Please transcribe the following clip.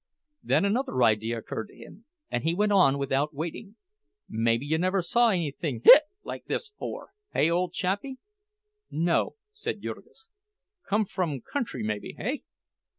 Then another idea occurred to him and he went on, without waiting: "Maybe you never saw anythin—hic—like this 'fore? Hey, ole chappie?" "No," said Jurgis. "Come from country, maybe—hey?"